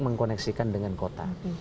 mengkoneksikan dengan kota